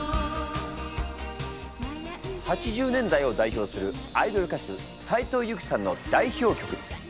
８０年代を代表するアイドル歌手斉藤由貴さんの代表曲です。